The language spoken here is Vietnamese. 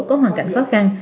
có hoàn cảnh khó khăn